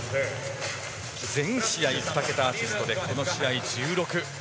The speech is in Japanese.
全試合２桁アシストでこの試合１６。